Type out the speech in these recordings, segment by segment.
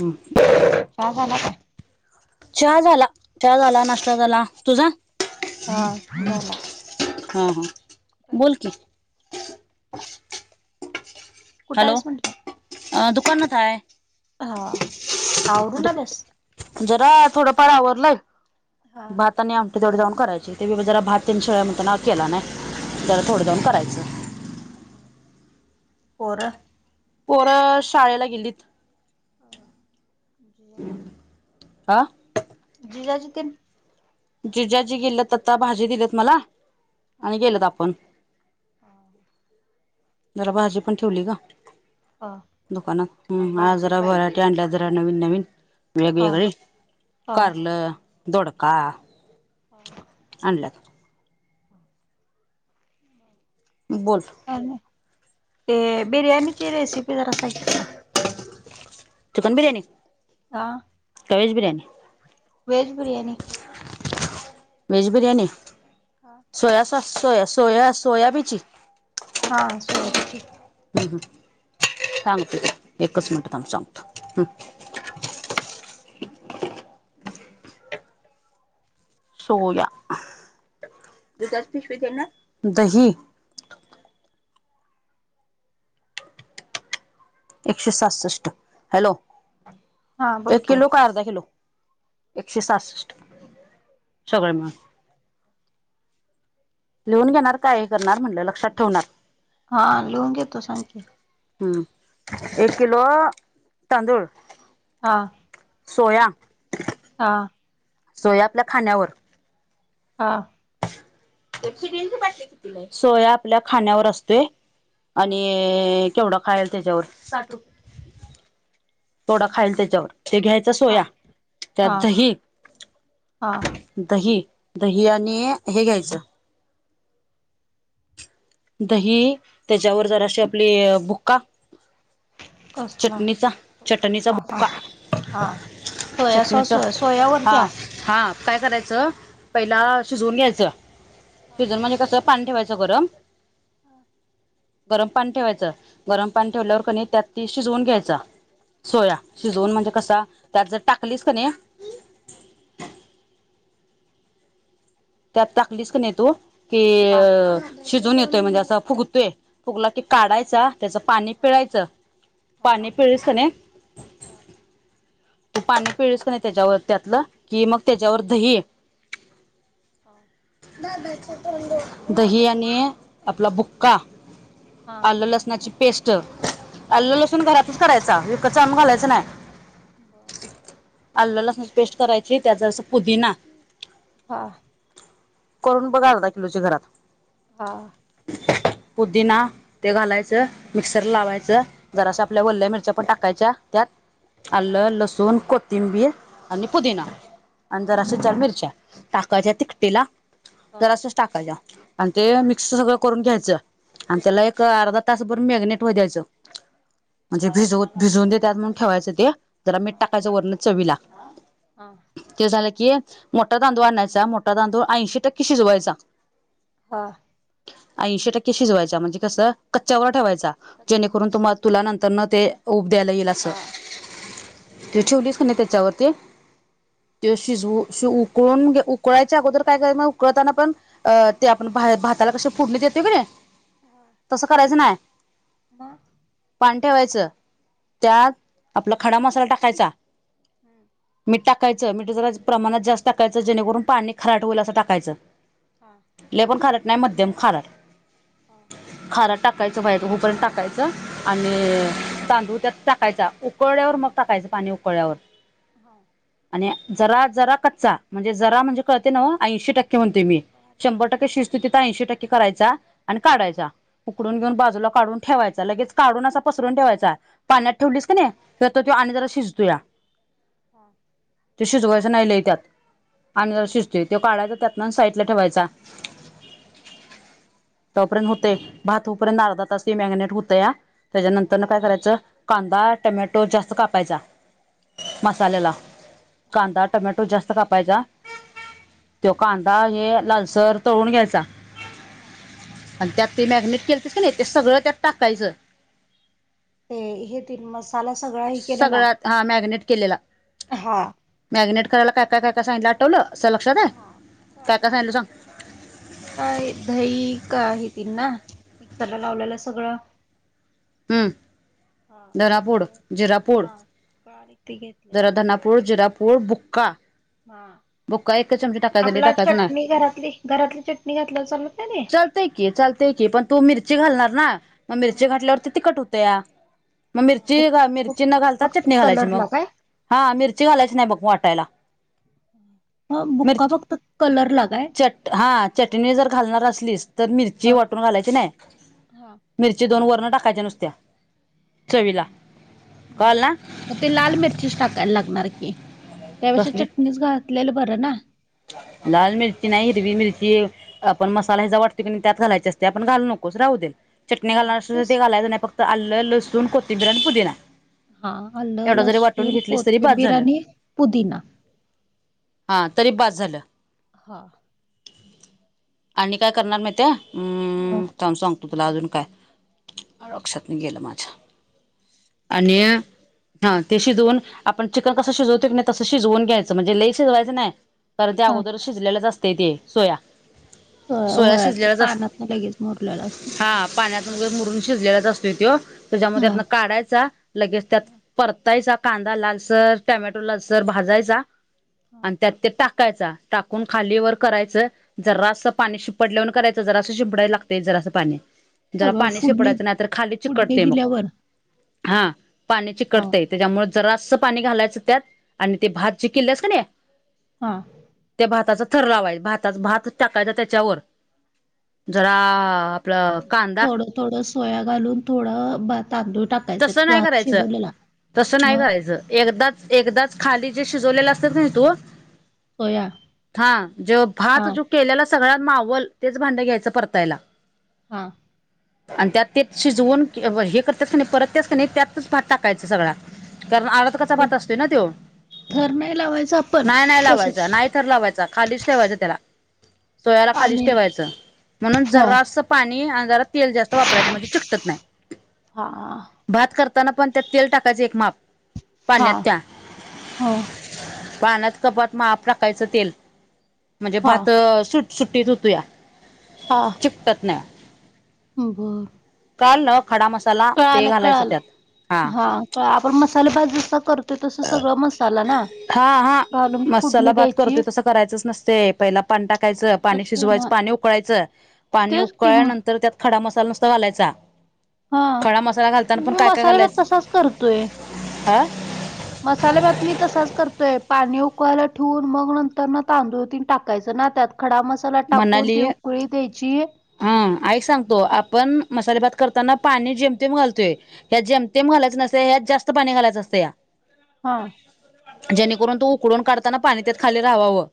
हम्म. चहा झाला का? चहा झाला. चहा झाला, नाश्ता झाला. तुझा? हा झाला. हा हा कुठं बोल आहेस? की. कुठं आहेस म्हटलं? अ दुकानात हाय. हा आवरून आलीयास? जरा थोडंफार आवरलंय हा भात आणि आमटी तेवढी जाऊन करायची, ते मी जरा भात तीन शिळा हाय म्हणताना केला नाही. जरा थोडं जाऊन करायचं पोरं? पोरं शाळेला गेलीत. [inaudible] आ? जीज्याजी तेण? जिज्याजी गेलेत पत्ता भाजी दिलीत मला हा आणि गेलत आपण. [inaudible] जरा भाजी पण ठेवली का? हा. दुकानात ह्म, आज जरा व्हरायटी आणल्या, जरा नवीन- नवीन. हा. वेगवेगळी कारंल, दोडका [inaudible] आणलत. बोल. काय नय. ते बिर्याणीची रेसिपी जरा सागं मला. चिकन बिरयाणी. का? का hedge biryani. Veg biryani. Veg biryani [unintelligible] का सोया-सोया सोयाबीची. हा सोयाबीची. ह्म ह्म सांगते, एकच मिनट थांब सांगतो. सोया, दुधाची पिशवीत हे ना. दही एकशे सहासष्ट. हॅलो, हा बोल एक की. किलो का अर्धा किलो? एकशे सहासष्ट सगळं मिळून. लिहून घेणार का हे करणार म्हणलं लक्षात ठेवणार. हा लिहून घेतो, सागं की? हम्म, एक किलो तांदूळ हा. सोया हा. सोया आपल्या खाण्यावर हा. सोया आपल्या खाण्यावर असते आणि हा ऐ केवढा खायलं त्याच्यावर. थोडा खाईल त्याच्यावर, ते घ्यायच सोया हा त्यात दही हा दही-दही आणि हे घ्यायचं दही त्याच्यावर जराशी आपली बुक्का कसला? चटणीचा- चटणीचा हा हा बुका. हा सोया सॉस चटणीचा सोयावरती हा हां. हा काय करायचं, पहिला शिजवून घ्यायचं, शिजवून म्हणजे कसं पाणी ठेवायचं गरम [inaudible] गरम पाणी ठेवायचं, गरम पाणी ठेवल्यावर कनी त्यात ती शिजवून घ्यायचा. सोया शिजवून म्हणजे कसा त्यात जर टाकलीस कनी [inaudible] त्यात टाकलीस कनी नही तू, हा की शिजून येतोय म्हणजे असं फुगतोय फुगला की काढायचा त्याचं पाणी पिळायचं हा पाणी पिळस कं नई तू पाणी पिलीस का नाही त्येजावर त्यातलं, कि मग त्येजावर दही. हा. दही आणि आपला बुक्का, हा आल्ल- लसणाची पेस्ट, हा आल्ल- लसूण घरातच करायचा, विकतच आणून घालायचं नाय. [unintelligible] आल्ल -लसनाची पेस्ट करायची, त्यात अस पुदिना. हा. करून बघ अर्धा किलोची घरात. हां. पुदीना, ते घालायचं, मिक्सर लावायचं, जरास आपल्या वल्या मिरच्या पण टाकायच्या त्यात, आल्ल, हा लसूण, कोथिंबीर आणि पुदिना हा आणि जरास चार मिरच्या, टाकाच्या तिकटीला, हा जरासं टाकायच्या आणि ते मिक्स सगळं करून घ्यायचं आणि त्याला हा एक अर्धा तास रातभर मॅग्नेट व्हाय घ्यायचं, जे भिजवत, ठेवायचं भिजून दे ठेवायचं ते, जरा मीठ हा टाक वरण चवीला. हा ते झालं कि, मोठा तांदूळ आणायचा, मोठा तांदूळ ऐंशी टक्के शिजवायचा. हा. ऐंशी टक्के शिजवायचा म्हणजे कसं, कच्च्यावर ठेवायचा. कच्चा जेणेकरून तुम्हाला, ठेवायच तुला नंतरन ते, उभ द्यायला येईल असं. हा ते ठेवलीस कणी त्येच्यावर ते ते शिजवू, उकळून, उकळायच्या अगोदर काय करायचं उकळताना पण अ, ते आपण भा, भाताला कसं फोडणी देतोय कणी हा तसं करायचं नायं, मग पाणी ठेवायचं. हा त्यात, आपला खडा मसाला टाकायचा, मीठ टाक कायचं, मीठ जरा प्रमाणात जास्त टाकायचं जेणेकरून पाणी खराट होईल असं टाकायचं. हा लई पण खारट नाय, मध्यम खारट. हा खारट टाक हुपर्यंत टाकायचं आणि हा तांदूळ त्यात टाकायचा, उकळ्यावर मग टाकायचं. पाणी उकळ्यावर. [unintelligible] जरा, जरा कच्चा म्हणजे जरा म्हणजे कळतयं नव्ह? ऐंशी टक्के म्हणते मी. कळालं की शंभर टक्के कळालं शिजतुय तिथ ऐंशी टक्के करायचा आणि हा काढायचा, उकडून घेऊन हा बाजूला काढून ठेवायचा, लगेच काढून असा पसरून ठेवायचा, पाण्यात हा ठेवलीस कणी, तर तो हा आणि जरा शि त्या, हा त्यो शिजवायचं नाही लई त्यात. आणि जरा शिजतोय, त्यो काढायचा त्यातन साईडला ठेवायचा. तो पर्यंत होतयं, भात हुपर्यंत अर्धा तास ते मॅगनेट होतया. हा त्येज्यानंतरन काय करायचं, कांदा, टमॅटो जास्त कापायचा. मसाल्याला, कांदा, टमॅटो जास्त कापायचा. त्यो कांदा हे लालसर तळून घ्यायचा. हा हा आणि त्यात ते मॅग्नेट केलंत कणी, ते सगळं त्यात टाकायचं. ते हे तीन मसाला सगळा ही केलेला. सगळ्यात हा मॅगनेट करायला काय, काय, काय, काय सांगितलं आठवलं? तुझ्या लक्षात हाय? हा काय, कळालं काय की. सांगितलो सांग? काय, दही का हे ती ना, त्याला लावलेलं सगळं. हम. हा ते धनापूड, सगळं जिरापूड, हा कळाली ती जरा घेतलेली धनापूड, जिरापूड, बुक्का. हा. बुका एक चमचा टक आपला चटणी घरातली, घरातली चटणी घातलं चालत नाही ती. चालतंय की चालत की, पण तू मिरची घालणार ना मग मिरची हा घातल्यावरती तिकट होत्या. मग हा बुक मिरची मिरची न बुक्का घालता फक्त चटणी घालायची मग, कलरला काय? हा मिरची घालायची नाही बघ वाटायला. ह बुक्का मिरची फक्त कलर लाग चट हा चटणी जर घालणार असलीस तर मिरची ह वाटून घालायची नाही. हा. मिरची दोन वरण टाकायच्या नुसत्या चवीला कळल बर ना. मग ते लाल मिरचीच टाकायला लागणार की, त्यापेक्षा कसली चटणीच घातलेलं बरं ना. लाल मिर्ची नाही, हिरवी मिर्ची. आपण मसाला ह्याचा वाटतो की नाही त्यात घालायचे असते, पण घालू नकोस राहू दे. चटणी हा घालणार मग अस तर तस ते घालायं नाही फक्त आल्लं, लसूण, कोथिंबीर आणि पुदिना. हा आलं एवढं जरी वाटून लसून, घेतलीस तरी बास कोथिंबिर, झालं आणि पुदीिना हा तरी बास झालं. हां. आणि काय करणार माहित हाय. हा. थांब सांगतो तुला अजून काय, लक्षात न गेलं माझ्या. आणि हा ते शिजवून आपण चिकन कसं शिजवतो की नाही तं शजवून घ्यायचं म्हणजे लई शिजवायचं नाही. कारण त्या हा, अगोदर शिजलेलेच असते ते सोया. होय सोया होय ते शिजलेलाच पानात लगेच मुरलेलं असतय् ते. पाण्यातूनग मुरून शिजलेलाच असतोय त्यो, त्याच्यामध्ये हा. त्यातन काढायचा. लगेच त्यात परतायचा कांदा लालसर, टमॅटो लालसर भाजायचा. हा, आणि त्यात ते टाकायचा, टाकून खालीवर करायचं. जरा असं पाणी शिपडल्यावरून करायचं जरासं शिपडायला लागते जरा असं पाणी. जरा सगळं पाणी फुडणी शिपडायचं नाही तर खाली फुडणी चिकटते मग, दिल्यावर हा पाणी हा चिकटते. त्याच्यामुळे जरासं पाणी घालायचं त्यात, आणि ते भात जे केल्यास कणी हा. ते भाताचं थर लावायच, भाताच भात टाकायचा त्याच्यावर जरा आपलं कांदा थोडं थोडं सोया घालून, थोडं तांदूळ टाक तसं नाही करायचं, तसं नाही मग करायचं एकदा एकदाच खाली जे शिजवलेले असतय ते तू सोया हा, जेव्हा हा भात जो केलेला सगळ्यात मावल तेच भांडं घ्यायचं परतायला. हा. आणि त्यात ते शिजवून, हे करतात नाही परत त्यातकणी त्यातच भात टाकायच सगळा, कारण मग अर्धकच्चा ते भात असतोय नव त्यो. थर नाही लावायचं आपण नाही नाही तसच लावायचं नाही, थर लावायचा खालीच ठेवायचं त्याला. सोयाला खालीच आणि ठेवायचं, म्हणून हा जरं स पाणी आणि जरा तेल जास्त वापरायचं म्हणजे चिकटत नाही. हां. भात करताना पण त्यात तेल टाकायच एक माप, हा पाण्यात त्या. हा पाण्यात कपात माप टाकायचं तेल, म्हणजे हा भात सुट सुट्टीत होतोय. हा. चिकटत नाय. हम्म बर. कळालं ना? खडा मसाला ते घालायचं त्यात हा. क आपण मसाले भात जसा करतो, तसं सगळं मसाला ना? हा हा, घालून फुडणी मसाला भात द्यायची करतोय तसं करायचंच नसतेय, पहिला पाणी टाकायचं पाणी तस शिजवायचं ना पाणी उ कळायचं, पाणी तेच कि म उकळल्यानंतर त्यात खडा मसाला नुसता घालायचा. हा खडा मसाला घालताना पण मी काय काय मसाले भात घालायचं, तसाच करतोय ह? मसाले भात मी तसाच करतोय पाणी उक कळायला ठेवून मग नंतरन तांदुळ तिन टाकायचं ना त्यात खडा मस् साला टाकून ती उकळी द्यायची. हम्म, ऐक सांगतो आपण मसाले भात करताना पाणी जेमतेम घालतोय. ह्यात जेमतेम घायच नसतंय ह्यात जास्त पाणी घालायचं असतंया. हा. जेणेकरून तो उकडून काढताना पाणी त्यात खाली राहावावं.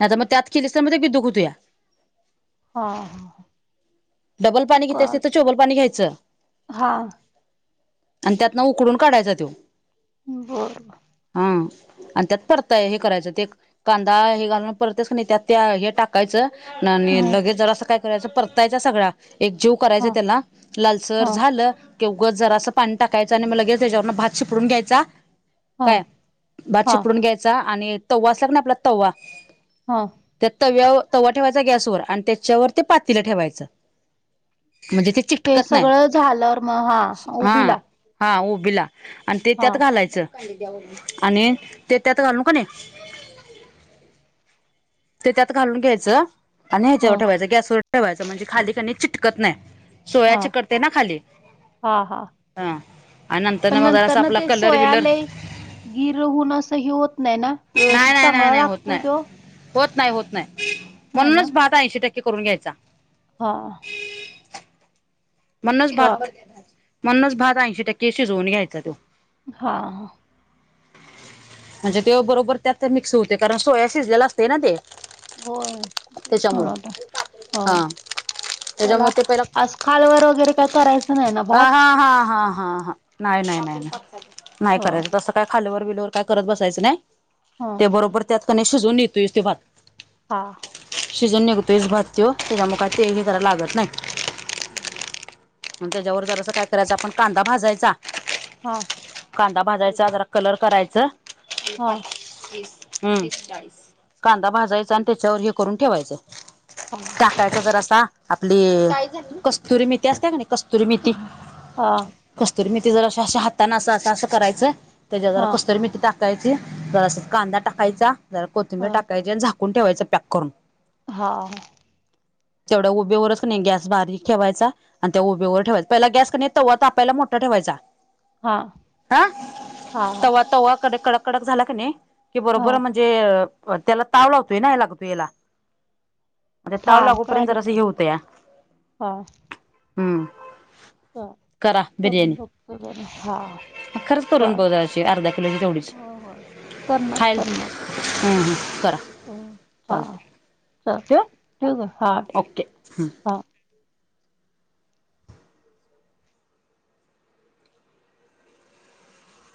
नाहीतर मग त्यात केलीस तर बिदुक हुतुया. हा हा. डबल पाणी घित्यास तिथं चोबल पाणी घ्यायचं. हा. आणि त्यातनं उकडून काढायचा तो. बर. हम्म. आणि त्यात परता हे करायचं ते कांदा हे घालून परततेस क नाय त्यात ते हे टाक कायच ह आणि लगेच जरा असं काय करायचं परतायचा सगळा एक जीव करायचा हा त्याला लालसर हा झालं की उगच जरासं पाणी टाकायचं आणि मग लगेच त्याच्यावरनं भात शिपडून घ्यायचा. हा काय, भात हा शिपडून घ्यायचा आणि तवा असला की नाही आपला तव्वा हा. त्या तव्याव तवा ठेवायचा गॅसवर आणि त्याच्यावर ते पातीलं ठेवायचं, म्हणजे ते ते चिटकत नाही सगळं झाल्यावर मग हा, हा उबीला. हा उबीला आणि ते त्यात घालायचं आणि ते त्यात घालून का नाही ते त्यात घालून घ्यायचं आणि ह्याच्यावर ह ठेवायचं, गॅसवर ठेवायचं म्हणजे खाली का नि चिटकत नाही. सोया हा चिकटतेना खाली. हा हा हा, आणि नंतरन पण मग नंतर जरासं ना आपला ते कलर सोया बिलर लय गिर होऊन असं हि होत नाही ना, व्यवस्थित नाही नाही नाही चांगला नाही होत लागतोय नाही तो? होत नाही होत नाही, नाही ना म्हणूनच भात ऐंशी टक्के करून घ्यायचा. हा. म्हणूनच हा भात, म्हणूनच भात ऐंशी टक्के शिजवून घ्यायचा तो. हा. म्हणजे त्यो बरोबर त्यात मिक्स होतंय, कारण सोया शिजलेला असतंय ना ते. होय, तेच त्याच्यामुळं म्हणत हो हा त्याला त्याच्यामुळे आस् खालवर वगैरे काय कराय अ हा अ हा अ हा नाही नाही नाही नाही नाही हो करायचं तसं काय खालवर बिलवर काय करत बसायचं नाही, ह ते बरोबर त्यात क नाय शिजवुन येतोयच त्यो भात. हा. शिजून निघतोयचं भात त्यो, त्याच्यामुळं काय ते हे कराय लागत नाही. [inaudible] मग त्याच्यावर जरासा काय करायचं आपण कांदा भाजायचा हा. कांदा भाजायचा, जरा कलर करायच. हा हम्म कांदा भाजायचा आणि त्याच्यावर हे करून ठेवायचं. हां. टायक जरसा आपली कस्तुरी मेथी असते का नाही, कस्तुरी मेथी हा हा कस्तुरी मेथी जराशा हाताने असं असं असं करायचं त्याच्या जरा हा कस्तुरी मेथी टाक कायची कांदा टाकायचा जरा कोथिंबीर हा टाकायची आणि झाकून ठेवायचा पॅक करून. हा. तेवढ्या उभेवरच क नाही गॅस बारीक ठेवायचा आणि त्या उभेवर ठेवायचा पहिला गॅस क नाही तवा तापायला मोठा ठेवायचा हा हा हा तवा तवा कडे कडक कडक झाला का नाही की हा बरोबर म्हणजे अ त्याला ताव लावतोय ना लागतो याला आता ताव हा लागोपर्यंत कळाले जरसा की हे होतया. हा. हम्म. का करा करून बघतो जरा हा. अ खरच करून बघायची अर्धा किलोची तेवढीच. होय होय करणार खायल करणार. हम्म हम्म करा. हो हा चालतंय चाल ठेवू का हा. ओके हम्म. हा